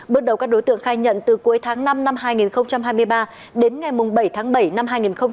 bước đầu các đối tượng khai nhận từ cuối tháng năm năm hai nghìn hai mươi ba đến ngày bảy tháng bảy năm hai nghìn hai mươi ba